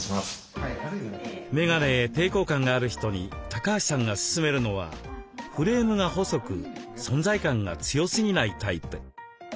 メガネへ抵抗感がある人に橋さんが勧めるのはフレームが細く存在感が強すぎないタイプ。